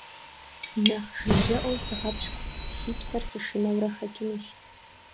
Нэхъ жыжьэӀуэу сыгъэпщкӀу, си псэр сышынэурэ хэкӀынущ.